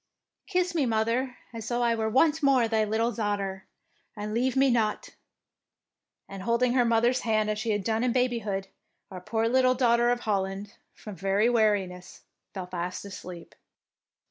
" Kiss me, mother, as though I were once more thy little daughter, and leave me not''; and holding her mother's hand as she had done in babyhood, our poor little Daughter of Holland, from very weariness, fell fast asleep.